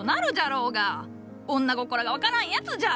女心が分からんやつじゃ！